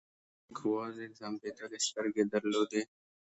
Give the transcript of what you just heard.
خاټک وازې ځمبېدلې سترګې درلودې.